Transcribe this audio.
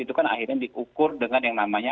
itu kan akhirnya diukur dengan yang namanya